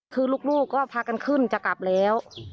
คือลูกก็พากันขึ้นจะกลับแล้ว